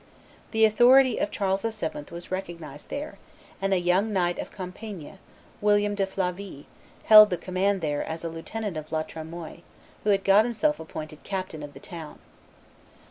The authority of Charles VII. was recognized there; and a young knight of Compiegne, William de Flavy, held the command there as lieutenant of La Tremoille, who had got himself appointed captain of the town.